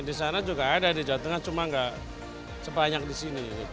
disana juga ada di jawa tengah cuma gak sepanjang disini